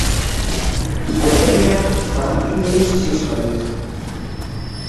იკვებებიან მასპინძლის სისხლით.